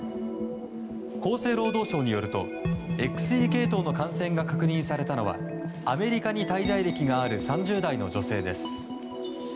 厚生労働省によるとＸＥ系統の感染が確認されたのはアメリカに滞在歴のある３０代の女性です。